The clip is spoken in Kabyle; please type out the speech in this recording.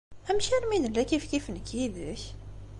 Amek armi i nella kifkif nekk yid-k?